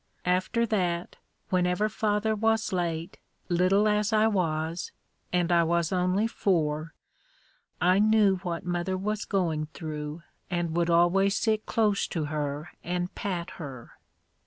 After that, whenever father was late, little as I was, and I was only four, I knew what mother was going through and would always sit close to her and pat her.